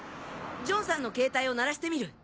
ジョンさんのケータイを鳴らしてみる。